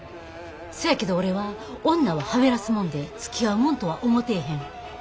「そやけど俺は女ははべらすもんでつきあうもんとは思てへん」。